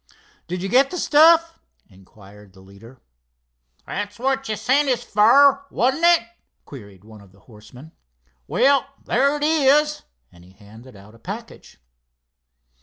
"Did you get the stuff?" inquired the leader. "That's what you sent us for, wasn't it?" queried one of the horsemen. "Well, there it is," and he handed out a package.